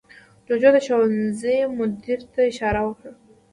جوجو د ښوونځي مدیر ته اشاره وکړه.